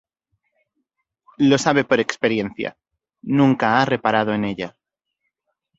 Lo sabe por experiencia: nunca ha reparado en ella.